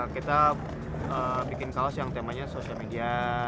kita bikin kaos yang temanya social media